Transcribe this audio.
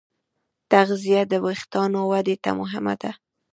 تغذیه د وېښتیانو ودې ته مهمه ده.